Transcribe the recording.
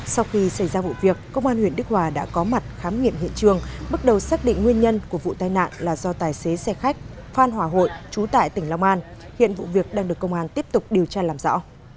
sau khi xảy ra vụ việc công an huyện đức hòa đã có mặt khám nghiệm hiện trường bắt đầu xác định nguyên nhân của vụ tai nạn là do tài xế xe khách phan hòa hội trú tại tỉnh long an hiện vụ việc đang được công an tiếp tục điều tra làm rõ